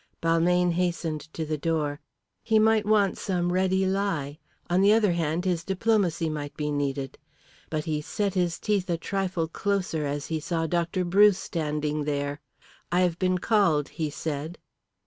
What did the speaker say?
Balmayne hastened to the door. He might want some ready lie; on the other hand, his diplomacy might be needed. But he set his teeth a trifle closer as he saw Dr. Bruce standing there. "I have been called," he said.